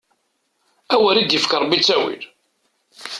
Awer i d-yefk Ṛebbi ttawil!